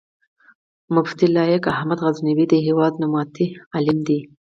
مفتي لائق احمد غزنوي د هېواد نوموتی عالم دی